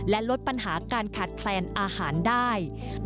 และลดปัญหาการขาดแคลนอาหารได้